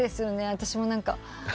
私も何か。